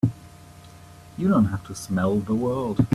You don't have to smell the world!